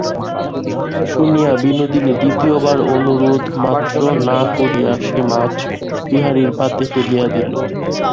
শুনিয়া বিনোদিনী দ্বিতীয় বার অনুরোধ মাত্র না করিয়া সে-মাছ বিহারীর পাতে ফেলিয়া দিল।